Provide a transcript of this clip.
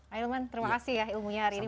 ahilman terima kasih ya ilmunya hari ini